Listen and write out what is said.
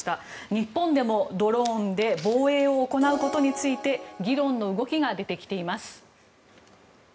日本でもドローンで防衛を行うことについて議論の動きが出てきています。